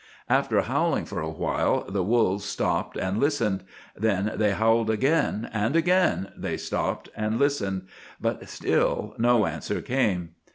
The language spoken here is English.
"After howling for a while, the wolves stopped and listened. Then they howled again, and again they stopped and listened; but still no answer came.